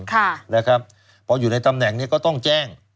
เพราะอยู่ในตำแหน่งก็ต้องแจ้ง